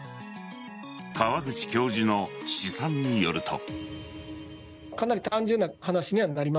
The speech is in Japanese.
川口教授の試算によると。